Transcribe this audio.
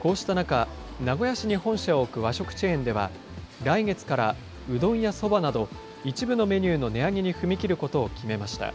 こうした中、名古屋市に本社を置く和食チェーンでは、来月からうどんやそばなど、一部のメニューの値上げに踏み切ることを決めました。